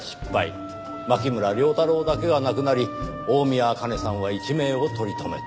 牧村遼太郎だけが亡くなり大宮アカネさんは一命を取り留めた。